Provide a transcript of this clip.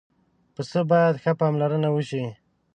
پسه باید ښه پاملرنه وشي.